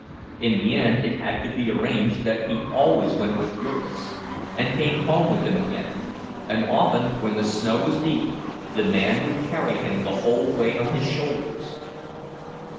In the end it had to be arranged that he always went with Jurgis, and came home with him again; and often, when the snow was deep, the man would carry him the whole way on his shoulders.